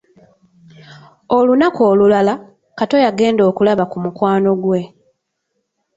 Olunaku olulala, Kato yagenda okulaba ku mukwano gwe.